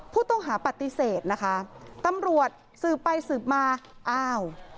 ผู้ต้องหาปฏิเสธนะคะตำรวจสืบไปสืบมาอ้าว